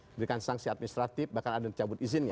memberikan sanksi administratif bahkan ada yang tercabut izinnya